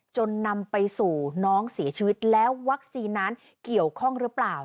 จนนำไปสู่น้องเสียชีวิตแล้ววัคซีนนั้นเกี่ยวข้องหรือเปล่า